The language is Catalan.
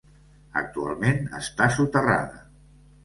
Actualment està soterrada.